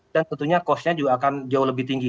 dan tentunya cost nya juga akan jauh lebih tinggi